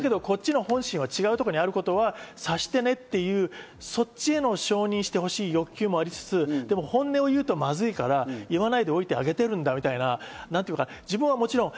こっちの本心が違うところにあることは察してねという、そっちへの承認してほしい欲求もありつつ、本音を言うとまずいから、言わないでおいてあげてるんだみたいな。